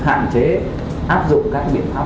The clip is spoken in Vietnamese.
hạn chế áp dụng các biện pháp